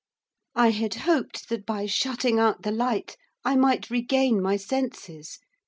I had hoped that by shutting out the light, I might regain my senses.